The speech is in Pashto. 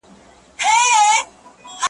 چي قلم مي له لیکلو سره آشنا سوی دی `